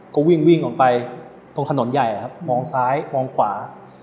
ก็วิ่งวิ่งออกไปตรงถนนใหญ่ครับมองซ้ายมองขวา